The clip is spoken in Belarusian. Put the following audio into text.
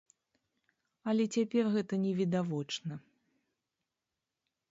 Але цяпер гэта не відавочна.